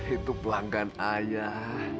itu pelanggan ayah